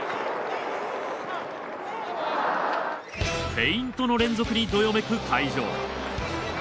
フェイントの連続にどよめく会場。